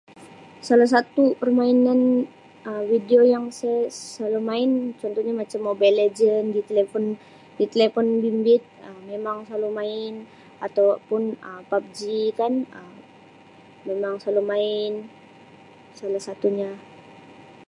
Salah satu permainan Um video yang saya selalu main contohnya macam Mobile Legend di telefon di telefon bimbit Um memang selalu main atau pun Um PUBG kan Um memang selalu main salah satunya.